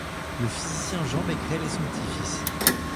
Le physicien Jean Becquerel est son petit-fils.